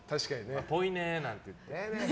ぽいねなんていって。